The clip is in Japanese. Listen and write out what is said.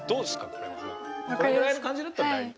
これぐらいの感じだったら大丈夫？